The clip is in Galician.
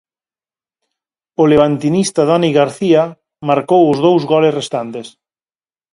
O levantinista Dani García marcou os dous goles restantes.